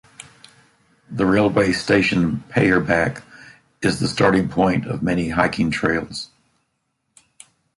The railway station Payerbach is the starting point of many hiking trails.